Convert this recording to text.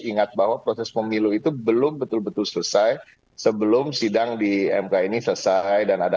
ingat bahwa proses pemilu itu belum betul betul selesai sebelum sidang di mk ini selesai dan ada